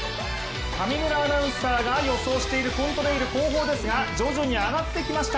上村アナウンサーが予想しているコントレイル、後方ですが徐々に上がってきました